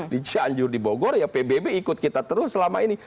di cianjur di bogor ya pbb ikut kita terus selama ini